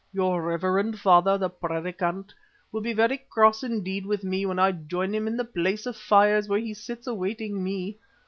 Your reverend father, the Predikant, will be very cross indeed with me when I join him in the Place of Fires where he sits awaiting me.